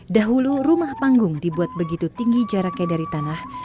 dahulu rumah panggung dibuat begitu tinggi jaraknya dari tanah